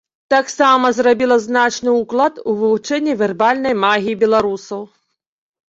Таксама зрабіла значны ўклад у вывучэнне вербальнай магіі беларусаў.